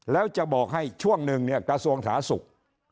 แล้วจะบอกให้ช่วงหนึ่งเนี่ยกระทรวงสาธารณสุข